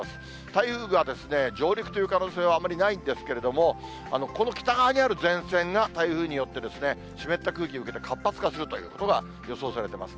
台風が上陸という可能性はあまりないんですけれども、この北にある前線が台風によって、湿った空気を受けて、活発化するということが予想されています。